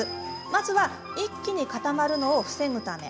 まずは一気に固まるのを防ぐため。